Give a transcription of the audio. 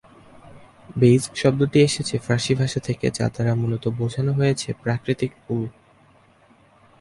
Base শব্দটি এসেছে ফরাসি ভাষা থেকে, যা দ্বারা মূলত বোঝানো হয়েছে প্রাকৃতিক উল।